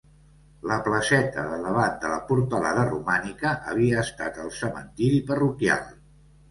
La placeta de davant de la portalada romànica havia estat el cementiri parroquial.